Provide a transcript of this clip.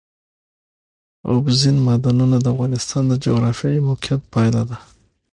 اوبزین معدنونه د افغانستان د جغرافیایي موقیعت پایله ده.